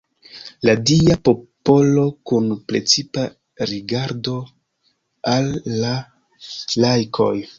La Dia popolo kun precipa rigardo al la laikoj.